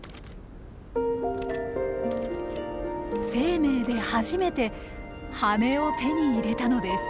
生命で初めて羽を手に入れたのです。